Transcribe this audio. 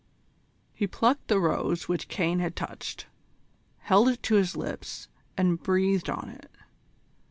He plucked the rose which Caine had touched, held it to his lips and breathed on it.